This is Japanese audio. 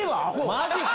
マジか。